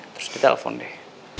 terus dia telfon deh